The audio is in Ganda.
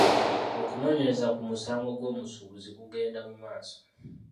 Okunoonyereza ku musango gw’omusuubuzi kugenda mu maaso.